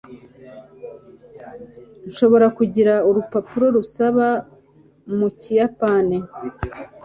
nshobora kugira urupapuro rusaba mu kiyapani